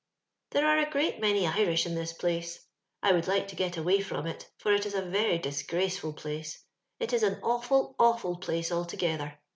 *' There are a great many Iiish in this place. I would like to get away from it, for it is a very disgraceful place, — ^it is an awfiil, awful place altogether.